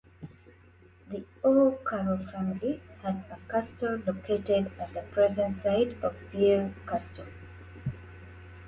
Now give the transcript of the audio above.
The O'Carroll family had a castle located at the present site of Birr Castle.